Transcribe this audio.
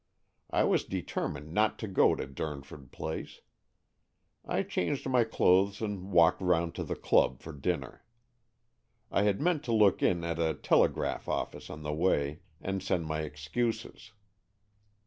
I was determined not to go to Durnford Place. I changed my clothes and walked round to the club for dinner. I had meant to look in at a tele graph office on the way and send my excuses.